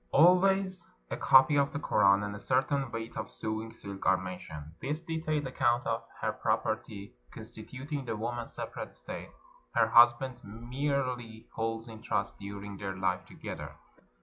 Always a copy of 413 PERSIA the Koran and a certain weight of sewing silk are men tioned. This detailed account of her property, consti tuting the woman's separate estate, her husband merely holds in trust during their life together.